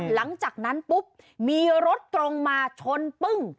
หลังจากนั้นปุ๊บมีรถตรงมาชนปึ้ง